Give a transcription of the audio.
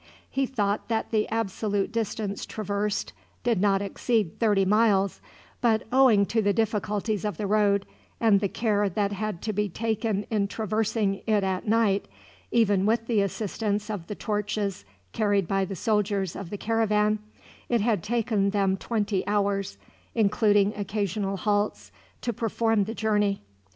He thought that the absolute distance traversed did not exceed thirty miles, but owing to the difficulties of the road, and the care that had to be taken in traversing it at night, even with the assistance of the torches carried by the soldiers of the caravan, it had taken them twenty hours, including occasional halts, to perform the journey.